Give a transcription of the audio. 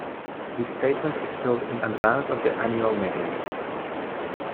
This statement is filed in advance of the annual meeting.